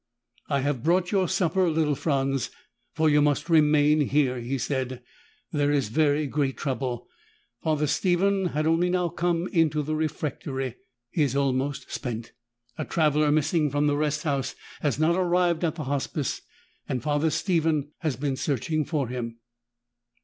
"I have brought your supper, little Franz, for you must remain here," he said. "There is very great trouble. Father Stephen has only now come into the refectory. He is almost spent. A traveler missing from the rest house has not arrived at the Hospice and Father Stephen has been searching for him."